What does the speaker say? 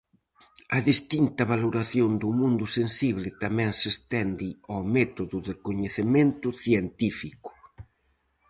A distinta valoración do mundo sensible tamén se estende ao método de coñecemento científico.